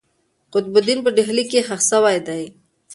قطب الدین په ډهلي کښي ښخ سوی دئ.